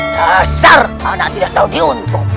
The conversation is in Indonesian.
jasar anak tidak tahu diuntuk